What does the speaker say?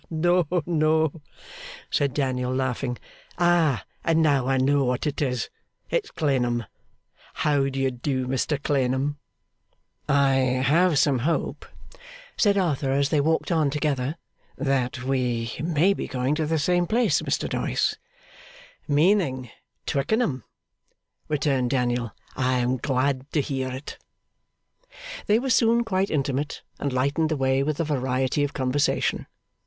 'No, no,' said Daniel, laughing. 'And now I know what it is. It's Clennam. How do you do, Mr Clennam?' 'I have some hope,' said Arthur, as they walked on together, 'that we may be going to the same place, Mr Doyce.' 'Meaning Twickenham?' returned Daniel. 'I am glad to hear it.' They were soon quite intimate, and lightened the way with a variety of conversation.